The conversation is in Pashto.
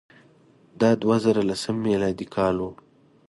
دا د دوه زره لسم میلادي کال وو.